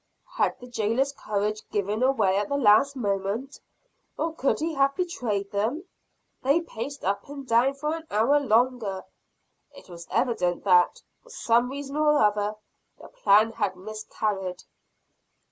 Had the jailer's courage given away at the last moment? Or could he have betrayed them? They paced up and down for an hour longer. It was evident that, for some reason or other, the plan had miscarried.